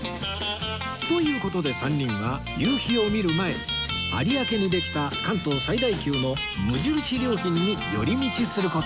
という事で３人は夕日を見る前に有明にできた関東最大級の無印良品に寄り道する事に